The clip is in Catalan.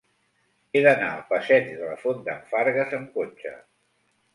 He d'anar al passeig de la Font d'en Fargues amb cotxe.